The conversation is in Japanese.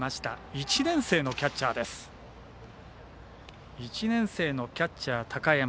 １年生のキャッチャー、高山。